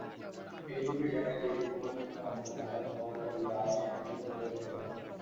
এইরূপে জ্ঞানের যেটুকু প্রয়োজনীয় অংশ, তাহা গ্রহণ করিয়া অসারটুকু ফেলিয়া দিতে হইবে।